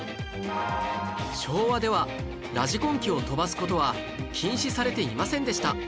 昭和ではラジコン機を飛ばす事は禁止されていませんでした